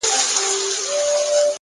عاجزي د شخصیت ښکلی عطر دی،